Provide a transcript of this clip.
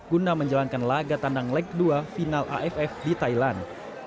guna menjalankan laga tandang leg kedua final aff di thailand